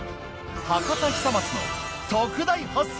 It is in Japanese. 博多久松の特大８寸